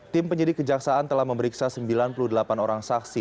tim penyidik kejaksaan telah memeriksa sembilan puluh delapan orang saksi